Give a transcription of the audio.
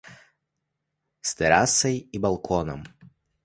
З тэрасай і балконам.